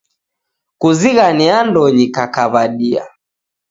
Kuzighane andonyi kakaw'adia